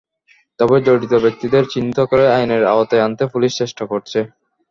তবে জড়িত ব্যক্তিদের চিহ্নিত করে আইনের আওতায় আনতে পুলিশ চেষ্টা করছে।